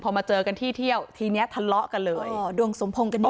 พอมาเจอกันที่เที่ยวทีเนี้ยทะเลาะกันเลยอ๋อดวงสมพงษ์กันดี